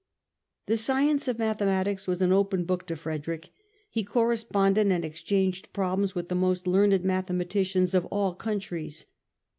The science of Mathematics was an open book to Frederick : he corresponded and exchanged problems with the most learned mathematicians of all countries.